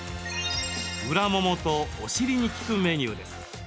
裏ももとお尻に効くメニューです。